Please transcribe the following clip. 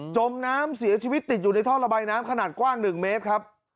มน้ำเสียชีวิตติดอยู่ในท่อระบายน้ำขนาดกว้าง๑เมตรครับ